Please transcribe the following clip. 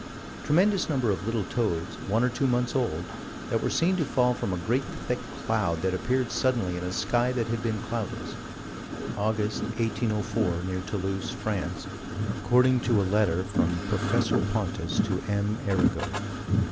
Tremendous number of little toads, one or two months old, that were seen to fall from a great thick cloud that appeared suddenly in a sky that had been cloudless, August, 1804, near Toulouse, France, according to a letter from Prof. Pontus to M. Arago.